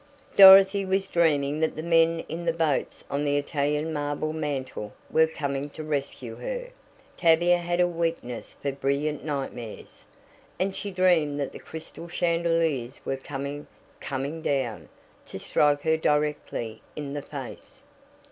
Dorothy was dreaming that the men in the boats on the Italian marble mantel were coming to rescue her. Tavia had a weakness for brilliant nightmares, and she dreamed that the crystal chandeliers were coming coming down, to strike her directly in the face.